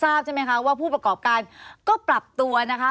ทราบใช่ไหมคะว่าผู้ประกอบการก็ปรับตัวนะคะ